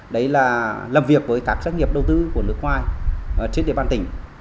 đấy là làm việc với các doanh nghiệp đầu tư của nước ngoài trên địa bàn tỉnh